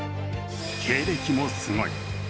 経歴もすごい。